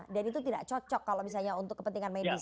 dan itu tidak cocok kalau misalnya untuk kepentingan medis